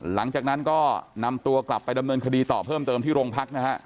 หลังจากนั้นก็นำตัวกลับไปดำเนินคดีต่อเพิ่มเติมที่โรงพักนะฮะ